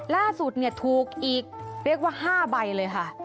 ล่าสุดถูกอีกเรียกว่า๕ใบเลยค่ะ